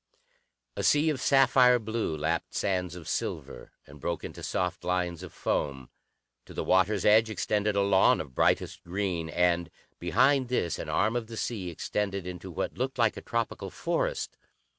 A sea of sapphire blue lapped sands of silver and broke into soft lines of foam. To the water's edge extended a lawn of brightest green, and behind this an arm of the sea extended into what looked like a tropical forest.